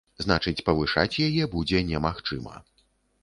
Значыць, павышаць яе будзе немагчыма.